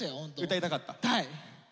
歌いたかったっす。